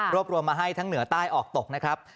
รวมมาให้ทั้งเหนือใต้ออกตกนะครับ